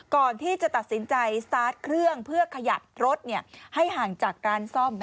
ก่อนที่จะตัดสินใจสตาร์ทเครื่องเพื่อขยับรถให้ห่างจากร้านซ่อม